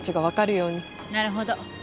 なるほど。